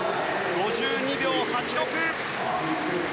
５２秒８６。